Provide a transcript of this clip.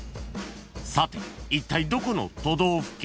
［さていったいどこの都道府県？］